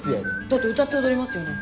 だって歌って踊りますよね？